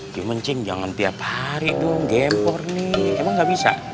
cuman cing jangan tiap hari dong gempor nih emang gabisa